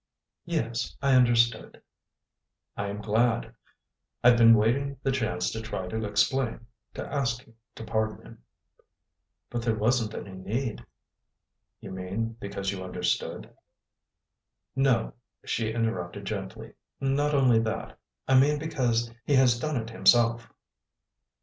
"Yes, I understood." "I am glad. I'd been waiting the chance to try to explain to ask you to pardon him " "But there wasn't any need." "You mean because you understood " "No," she interrupted gently, "not only that. I mean because he has done it himself."